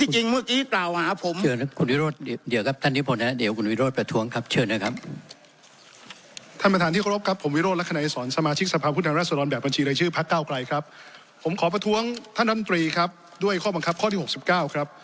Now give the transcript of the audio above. จริงเบอะคี่เปล่าอ่ะครับผมเชิญนะ